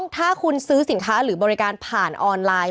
ถ้าคุณซื้อสินค้าหรือบริการผ่านออนไลน์